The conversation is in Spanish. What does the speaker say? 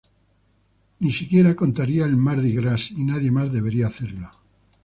Ni siquiera contaría el Mardi Gras y nadie más debería hacerlo.